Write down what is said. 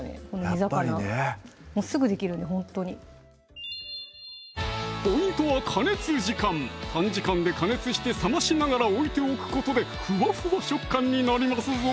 やっぱりねすぐできるんでほんとにポイントは加熱時間短時間で加熱して冷ましながら置いておくことでフワフワ食感になりますぞ